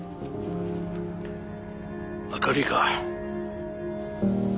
あかりか？